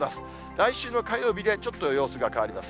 来週の火曜日でちょっと様子が変わります。